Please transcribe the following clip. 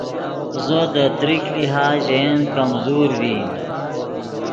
زو دے تریک لحاظ ژے ین کمزور فرمیم